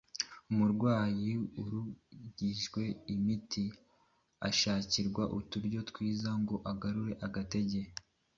Umurwayi urangije imiti ashakirwa uturyo twiza ngo agarure agatege.